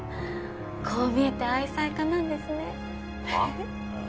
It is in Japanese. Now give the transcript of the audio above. こう見えて愛妻家なんですねはあ？